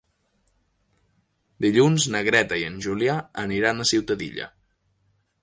Dilluns na Greta i en Julià aniran a Ciutadilla.